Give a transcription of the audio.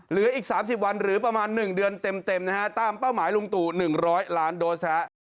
เหลืออีก๓๐วันหรือประมาณ๑เดือนเต็มนะฮะตามเป้าหมายลุงตู่๑๐๐ล้านโดส